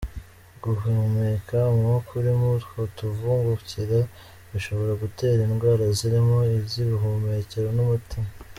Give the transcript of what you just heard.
Guhumeka umwuka urimo utwo tuvungukira bishobora gutera indwara zirimo iz’ubuhumekero n’umutima.